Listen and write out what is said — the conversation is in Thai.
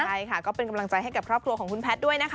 ใช่ค่ะก็เป็นกำลังใจให้กับครอบครัวของคุณแพทย์ด้วยนะคะ